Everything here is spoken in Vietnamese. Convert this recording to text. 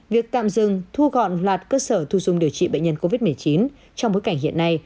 việc tạm dừng thu gọn loạt cơ sở thu dung điều trị bệnh nhân covid một mươi chín trong bối cảnh hiện nay